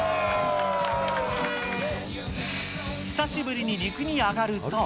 久しぶりに陸に上がると。